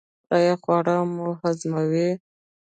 ایا خواړه مو هضمیږي؟